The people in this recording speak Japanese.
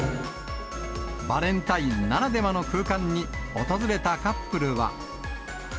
バレンタインならではの空間に、訪れたカップルは。